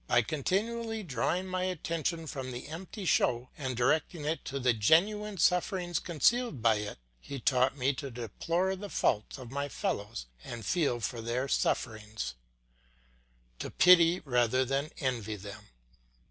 By continually drawing my attention from the empty show, and directing it to the genuine sufferings concealed by it, he taught me to deplore the faults of my fellows and feel for their sufferings, to pity rather than envy them.